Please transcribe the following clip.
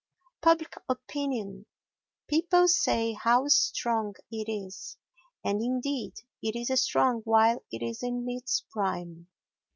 Public Opinion People say how strong it is; and indeed it is strong while it is in its prime.